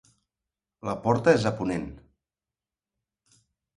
La porta és a ponent.